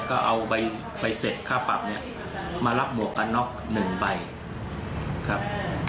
ก็เอาใบเสร็จค่าปรับเนี่ยมารับหมวกกันน็อกหนึ่งใบครับ